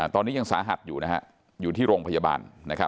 ตอนนี้ยังสาหัสอยู่อยู่ที่โรงพยาบาล